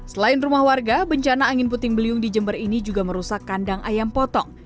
selain rumah warga bencana angin puting beliung di jember ini juga merusak kandang ayam potong